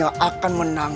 kau akan menang